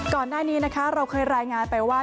ก่อนหน้านี้นะคะเราเคยรายงานไปว่า